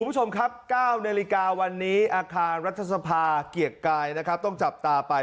คุณผู้ชมครับ๙นาฬิกาวันนี้อาคารรัฐสภาเกียรติกายนะครับต้องจับตาไป